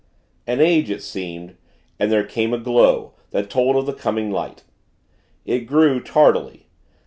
An age, it seemed, and there came a glow, that told of the coming light. It grew, tardily.